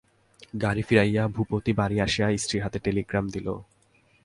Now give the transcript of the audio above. গাড়ি ফিরাইয়া ভূপতি বাড়ি আসিয়া স্ত্রীর হাতে টেলিগ্রাম দিল।